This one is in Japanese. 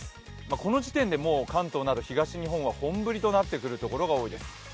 この時点で関東など東日本は本降りとなってくるところが多いです。